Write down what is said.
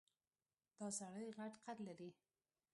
دا سړی غټ قد لري.